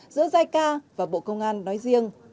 giữa giai ca và bộ công an nói riêng